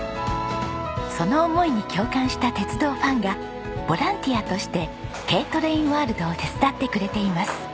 その思いに共感した鉄道ファンがボランティアとしてＫトレインワールドを手伝ってくれています。